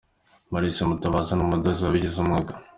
Maurice Mutabazi ni umudozi wabigize umwuga.